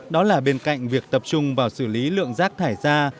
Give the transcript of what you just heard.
đó là bên cạnh việc tập trung vào xử lý lượng rác thải ra